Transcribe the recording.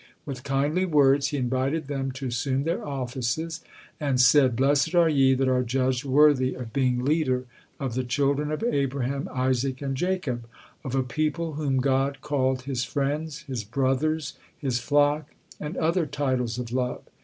With kindly words he invited them to assume their offices, and said: "Blessed are ye that are judged worthy of being leader of the children of Abraham, Isaac, and Jacob, of a people whom God called His friends, His brothers, His flock, and other titles of love."